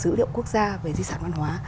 dữ liệu quốc gia về di sản văn hóa